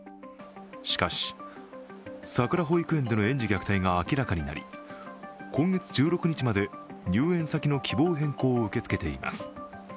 しかし、さくら保育園での園児虐待が明らかになり今月１６日まで入園先の希望変更を受け付けています。